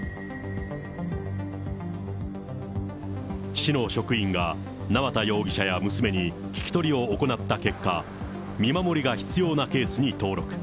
市の職員が縄田容疑者や娘に聞き取りを行った結果、見守りが必要なケースに登録。